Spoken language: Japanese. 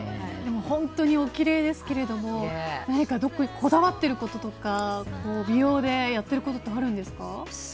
本当におきれいですけれども何かこだわっていることとか美容でやっていることってあるんですか？